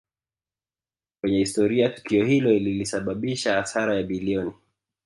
kwenye historia Tukio hilo lilisababisha hasara ya bilioni